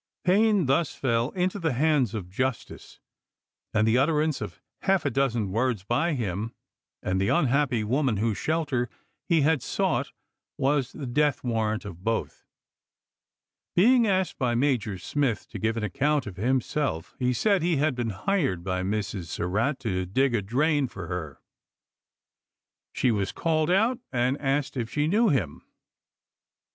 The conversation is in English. Payne thus fell into the hands of justice, and the utterance of half a dozen words by him and the unhappy woman whose shelter he had sought was the death warrant of both. Being asked by Major Smith to give an account of himself, he said he had been hired by Mrs. Surratt to dig a drain for her. She was called out and asked if she knew him.